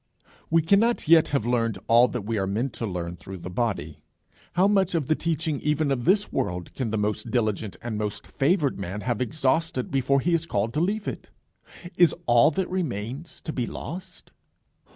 We cannot yet have learned all that we are meant to learn through the body. How much of the teaching even of this world can the most diligent and most favoured man have exhausted before he is called to leave it! Is all that remains to be lost?